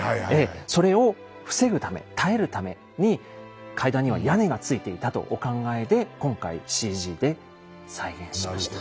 それを防ぐため耐えるために階段には屋根がついていたとお考えで今回ＣＧで再現しました。